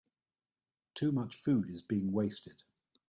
Too much food is being wasted.